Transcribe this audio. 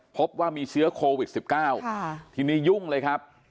พบว่ามีเชื้อโควิด๑๙ทีนี้ยุ่งเลยครับ